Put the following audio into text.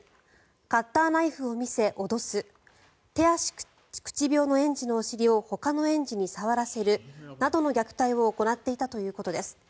カッターナイフを見せ、脅す手足口病の園児のお尻をほかの園児に触らせるなどの虐待を行っていたということです。